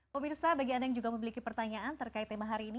pemirsa bagi anda yang juga memiliki pertanyaan terkait tema hari ini